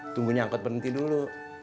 tunggu angkot berhenti dulu